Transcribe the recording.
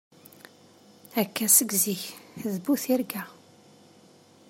Akka seg zik, d bu tirga.